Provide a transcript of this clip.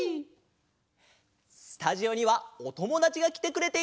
スタジオにはおともだちがきてくれています！